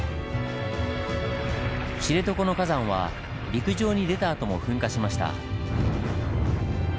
知床の火山は陸上に出たあとも噴火しました。